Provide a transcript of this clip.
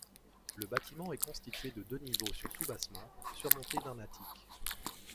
Le bâtiment est constitué de deux niveaux sur soubassement surmontés d'un attique.